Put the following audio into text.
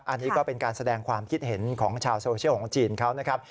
อันนี้ก็เป็นการแสดงความคิดเห็นของชาวโซเชียลของจีนเขานะครับ